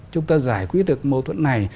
chúng ta giải quyết được mâu thuẫn này